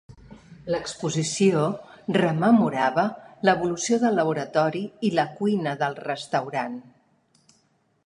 L'exposició rememorava l'evolució del laboratori i la cuina del restaurant.